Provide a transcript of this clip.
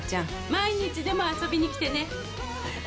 毎日でも遊びに来てね